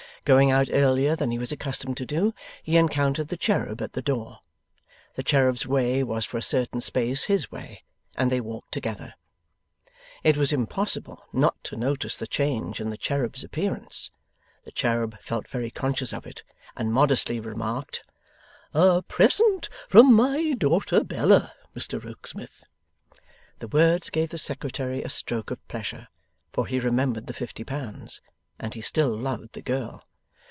Going out earlier than he was accustomed to do, he encountered the cherub at the door. The cherub's way was for a certain space his way, and they walked together. It was impossible not to notice the change in the cherub's appearance. The cherub felt very conscious of it, and modestly remarked: 'A present from my daughter Bella, Mr Rokesmith.' The words gave the Secretary a stroke of pleasure, for he remembered the fifty pounds, and he still loved the girl.